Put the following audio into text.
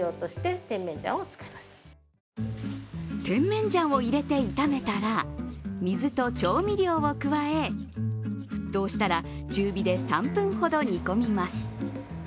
テンメンジャンを入れて炒めたら、水と調味料を加え沸騰したら中火で３分ほど煮込みます。